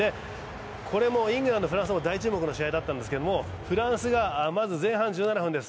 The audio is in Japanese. これもイングランド×フランスも大注目だったんですけどフランスがまず前半１７分です。